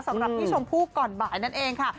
สำหรับพี่ชมพู่ก่อนบ่ายนั่นเองค่ะ